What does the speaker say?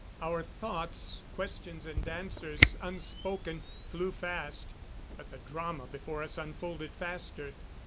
Our thoughts, questions and answers unspoken, flew fast; but the drama before us unfolded faster.